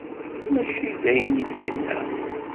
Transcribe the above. Mačči d ayen i d-yenna.